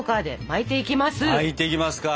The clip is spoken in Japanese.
巻いていきますか。